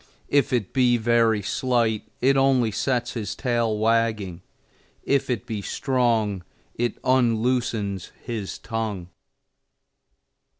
If it be very slight it only sets his tail wagging; if it be strong it unloosens his tongue.